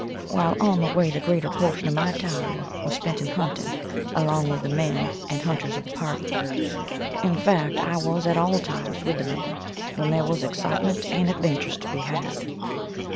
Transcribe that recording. While on the way the greater portion of my time was spent in hunting along with the men and hunters of the party, in fact I was at all times with the men when there was excitement and adventures to be had.